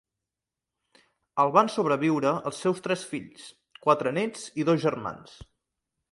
El van sobreviure els seus tres fills, quatre nets i dos germans.